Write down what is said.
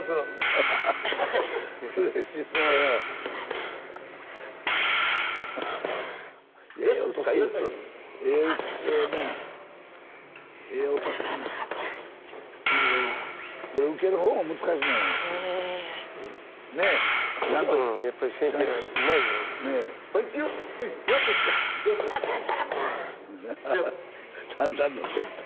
スタジオだんだん乗ってきた。